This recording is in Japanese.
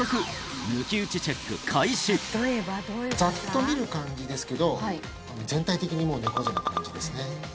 早速ざっと見る感じですけど全体的に猫背な感じですね